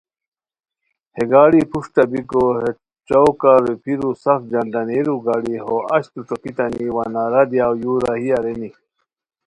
ہے گاڑی پروشٹہ بیکو ہے چوکہ روپھیرو سف جھنڈا نیرو گاڑی ہو اچتو ݯوکیتانی وا نعرہ دیاؤ یو راہی ارینی